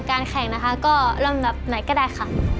การแข่งนะคะก็ร่ำแบบไหนก็ได้ค่ะ